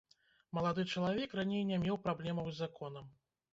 Малады чалавек раней не меў праблемаў з законам.